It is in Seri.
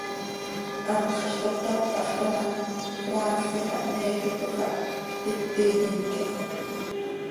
Hant xah zo toc cötap hax ta ma, Francia xah Méjico xah ptiti yinloj.